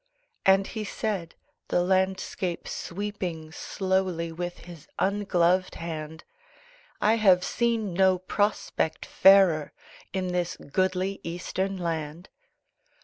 And he said, the landscape sweeping Slowly with his ungloved hand "I have seen no prospect fairer In this goodly Eastern land."